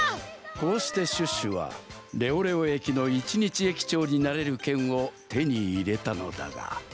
こうしてシュッシュはレオレオ駅の一日駅長になれるけんをてにいれたのだが。